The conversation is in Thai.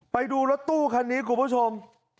ไปดูรถตู้คันนี้คุณผู้ชม